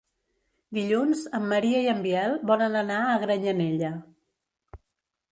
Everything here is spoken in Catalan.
Dilluns en Maria i en Biel volen anar a Granyanella.